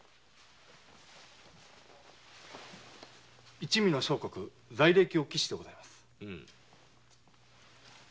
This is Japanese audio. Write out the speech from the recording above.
一味の生国罪歴を記してございます。